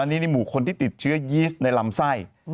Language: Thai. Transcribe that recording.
นี่หมู่คนที่ติดเชื้อยีสในลำไส้